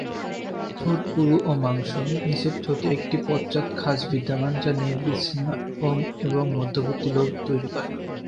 ঠোঁট পুরু ও মাংসল, নিচের ঠোঁটে একটি পশ্চাৎ খাঁজ বিদ্যমান যা নিরবচ্ছিন্ন এবং মধ্যবর্তী লোব তৈরি করে।